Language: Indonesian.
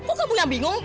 kok kamu yang bingung